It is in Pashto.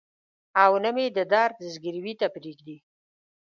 او نه مې د درد ځګروي ته پرېږدي.